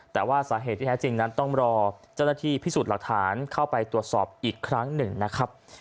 แต่ว่าสาเหตุที่แท้จริงนั้นต้องรอเจ้าหน้าที่พิสูจน์หลักฐานเข้าไปตรวจสอบอีกครั้งหนึ่งนะครับ